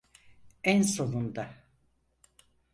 En sonunda!